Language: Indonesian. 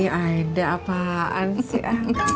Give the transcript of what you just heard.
ih aida apaan sih